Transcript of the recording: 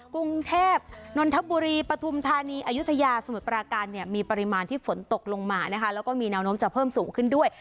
กรุงเทพนนทบุรีปฐุมธานีอายุทยาสมุทรปราการเนี่ยมีปริมาณที่ฝนตกลงมานะคะแล้วก็มีแนวโน้มจะเพิ่มสูงขึ้นด้วย